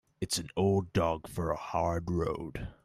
It's an old dog for a hard road.